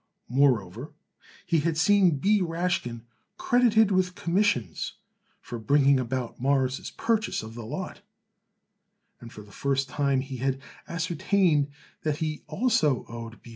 Moreover, he had seen B. Rashkin credited with commissions for bringing about Morris' purchase of the lot, and for the first time he had ascertained that he also owed B.